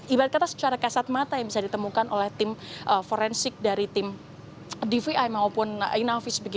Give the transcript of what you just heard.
ibarat kata secara kasat mata yang bisa ditemukan oleh tim forensik dari tim dvi maupun inavis